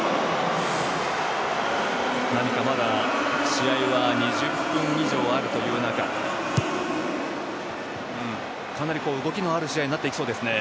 何か、まだ試合は２０分以上あるという中かなり動きのある試合になっていきそうですね。